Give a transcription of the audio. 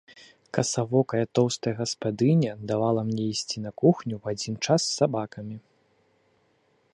Касавокая тоўстая гаспадыня давала мне есці на кухні ў адзін час з сабакамі.